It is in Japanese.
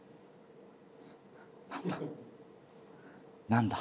何だ。